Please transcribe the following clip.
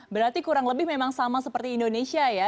berarti kurang lebih memang sama seperti indonesia ya